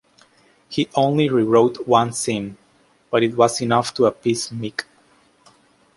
He only rewrote one scene but it was enough to appease Mick.